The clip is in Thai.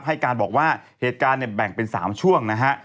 ให้การบอกว่าเหตุการณ์เนี่ยแบ่งเป็น๓ช่วงนะฮะ